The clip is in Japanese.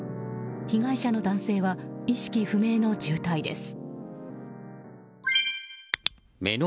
被害者の男性は意識不明の重体です。